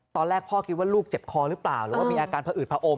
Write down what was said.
ตอนแรกพ่อคิดว่าลูกเจ็บคอหรือเปล่าหรือว่ามีอาการผอืดผอม